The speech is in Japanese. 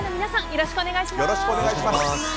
よろしくお願いします。